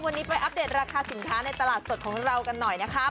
วันนี้ไปอัปเดตราคาสินค้าในตลาดสดของเรากันหน่อยนะคะ